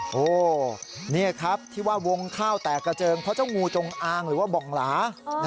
โอ้โหนี่ครับที่ว่าวงข้าวแตกกระเจิงเพราะเจ้างูจงอางหรือว่าบ่องหลา